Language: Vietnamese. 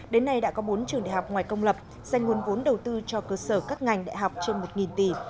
đến nay đã có bốn trường đại học ngoài công lập dành nguồn vốn đầu tư cho cơ sở các ngành đại học trên một tỷ